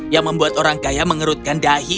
yang membuat orang kaya mengerutkan dahi